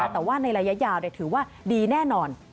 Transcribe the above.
แต่ว่าในระยะยาวถือว่าดีแน่นอน